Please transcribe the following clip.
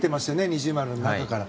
二重丸の中から。